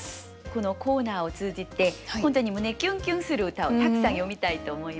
このコーナーを通じて本当に胸キュンキュンする歌をたくさん詠みたいと思います。